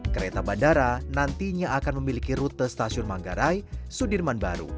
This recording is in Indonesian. kereta bandara nantinya akan memiliki rute stasiun manggarai sudirman baru